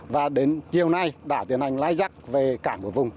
và đến chiều nay đã tiến hành lai dắt về cảng của vùng